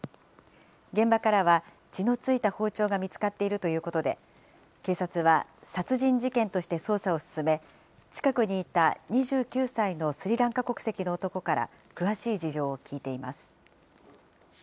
現場からは血の付いた包丁が見つかっているということで、警察は殺人事件として捜査を進め、近くにいた２９歳のスリランカ国籍の男から、詳しい事情を聴いています。